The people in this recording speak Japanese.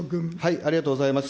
ありがとうございます。